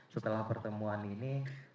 setelah pertemuan ini